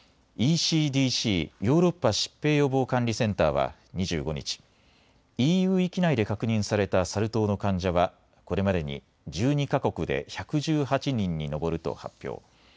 ＥＣＤＣ・ヨーロッパ疾病予防管理センターは２５日、ＥＵ域内で確認されたサル痘の患者は、これまでに１２か国で１１８人に上ると発表。